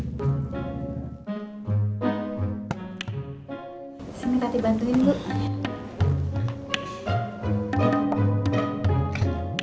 disini nanti bantuin ibu